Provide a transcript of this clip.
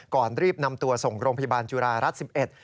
ก่อนรีบนำตัวส่งโรงพยาบาลจุฬารัฐ๑๑